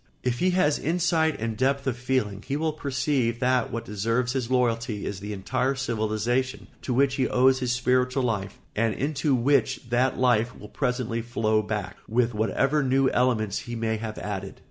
If he has insight and depth of feeling he will perceive that what deserves his loyalty is the entire civilisation to which he owes his spiritual life and into which that life will presently flow back, with whatever new elements he may have added.